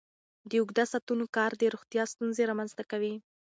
د اوږده ساعتونو کار د روغتیا ستونزې رامنځته کوي.